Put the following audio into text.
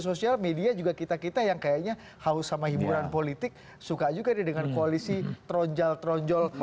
sosial media juga kita kita yang kayaknya haus sama hiburan politik suka juga dengan koalisi tronjol tronjol